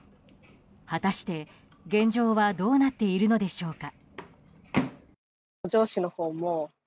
果たして現状はどうなっているのでしょうか。